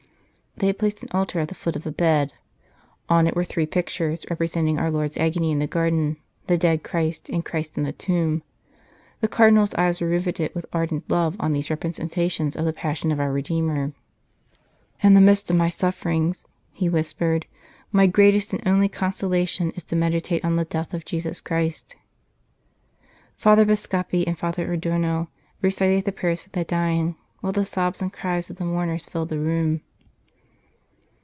They had placed an altar at the foot of the bed ; on it were three pictures, representing Our Lord s Agony in the Garden, The dead Christ, and Christ in the Tomb. The Cardinal s eyes were riveted with ardent love on these representations of the Passion of our Redeemer. " In the midst of my sufferings," he whispered, " my greatest and only consolation is to meditate on the death of Jesus Christ." Father Bascape and Father Adorno recited the prayers for the dying, while the sobs and cries of the mourners filled the room.